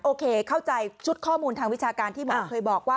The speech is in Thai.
โอเคเข้าใจชุดข้อมูลทางวิชาการที่หมอเคยบอกว่า